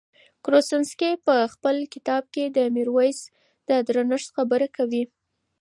کروسنسکي په خپل کتاب کې د میرویس د درنښت خبره کوي.